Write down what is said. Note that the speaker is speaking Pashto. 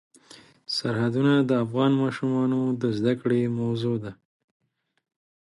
سرحدونه د افغان ماشومانو د زده کړې موضوع ده.